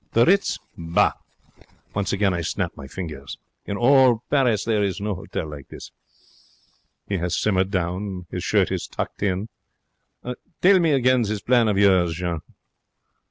The Ritz? Bah! Once again I snap my fingers. 'In all Paris there is no hotel like this.' He 'as simmered down. His shirt is tucked in. 'Tell me again this plan of yours, Jean.'